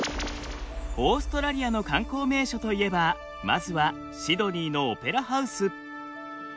オーストラリアの観光名所といえばまずはシドニーのオペラハウス。